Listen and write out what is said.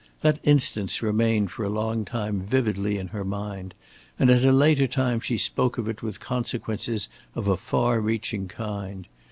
That instance remained for a long time vividly in her mind, and at a later time she spoke of it with consequences of a far reaching kind.